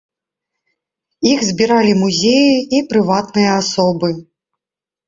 Іх збіралі музеі і прыватныя асобы.